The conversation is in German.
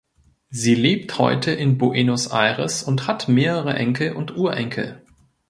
Sie lebt heute in Buenos Aires und hat mehrere Enkel und Urenkel.